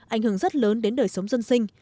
ảnh hưởng rất lớn đến đời sống dân sinh